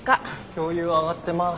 共有上がってます。